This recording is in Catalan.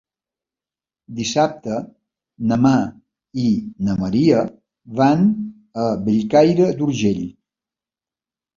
Dissabte na Mar i na Maria van a Bellcaire d'Urgell.